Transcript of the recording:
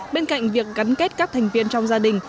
bên cạnh việc gắn kết các thành viên trong gia đình